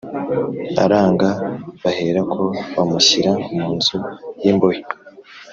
Aranga, baherako bamushyira mu nzu y’imbohe